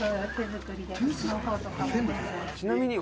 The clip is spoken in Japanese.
「ちなみに」